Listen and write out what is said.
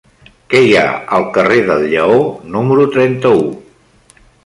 Què hi ha al carrer del Lleó número trenta-u?